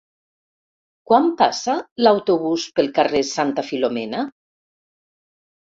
Quan passa l'autobús pel carrer Santa Filomena?